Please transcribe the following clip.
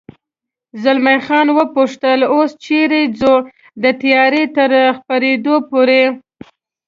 زلمی خان و پوښتل: اوس چېرې ځو؟ د تیارې تر خپرېدو پورې.